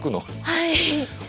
はい。